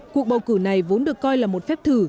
cuộc bầu cử này vốn được coi là một phép thử